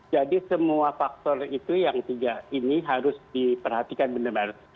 jadi semua faktor itu yang tiga ini harus diperhatikan benar benar